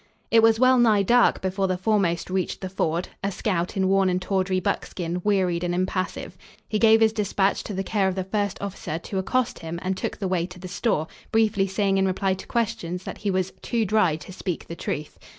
It was well nigh dark before the foremost reached the ford a scout in worn and tawdry buckskin, wearied and impassive. He gave his despatch to the care of the first officer to accost him and took the way to the store, briefly saying in reply to questions, that he was "too dry to speak the truth."